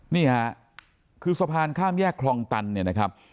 นี่ค่ะคือสะพานข้ามแยกคลองตันเนี่ยนะครับ